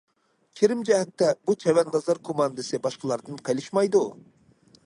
كىرىم جەھەتتە، بۇ چەۋەندازلار كوماندىسى باشقىلاردىن قېلىشمايدۇ.